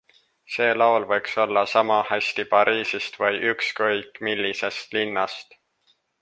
See laul võiks olla samahästi Pariisist või ükskõik, millisest linnast.